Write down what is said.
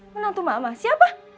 menantu mama siapa